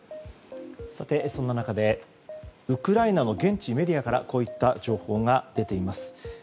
さて、そんな中でウクライナの現地メディアからこういった情報が出ています。